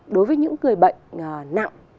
đối với những người bệnh nặng